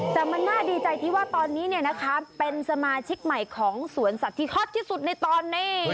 แต่มันน่าดีใจที่ว่าตอนนี้เป็นสมาชิกใหม่ของสวนสัตว์ที่ฮอตที่สุดในตอนนี้